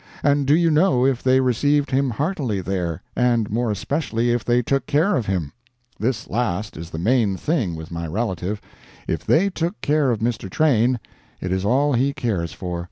And do you know if they received him heartily there, and more especially if they took care of him? This last is the main thing with my relative. If they took care of Mr. Train, it is all he cares for.